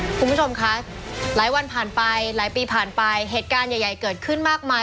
คุณผู้ชมคะหลายวันผ่านไปหลายปีผ่านไปเหตุการณ์ใหญ่เกิดขึ้นมากมาย